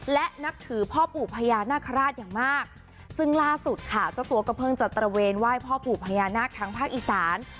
และนับถือพ่อปู่พญานาคาราชอย่างมากซึ่งล่าสุดค่ะเจ้าตัวก็เพิ่งจะตระเวนไหว้พ่อปู่พญานาคทั้งภาคอีสาน